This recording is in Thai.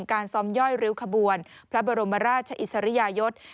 การซ้อมย่อยริ้วขบวนพระบรมราชอิสริยยศ